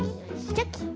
チョキ。